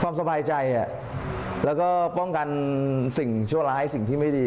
สบายใจแล้วก็ป้องกันสิ่งชั่วร้ายสิ่งที่ไม่ดี